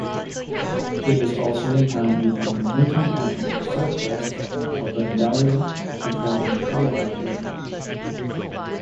It is also impounded in Clinton County southwest of Vandalia to form Carlyle Lake.